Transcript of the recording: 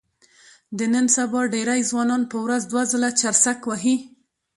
د نن سبا ډېری ځوانان په ورځ دوه ځله چرسک وهي.